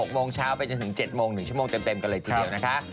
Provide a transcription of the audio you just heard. ๖โมงเช้าไปจนถึง๗โมง๑ชั่วโมงเต็มกันเลยทีเดียวนะคะ